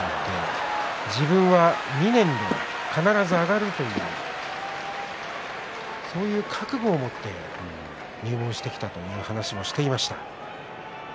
自分は２年で必ず上がるというそういう覚悟を持って入門してきたという話をしていました。